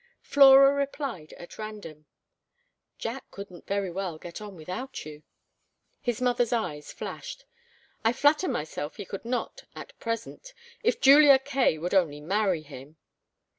Flora replied at random. "Jack couldn't very well get on without you." His mother's eyes flashed. "I flatter myself he could not at present. If Julia Kaye would only marry him!"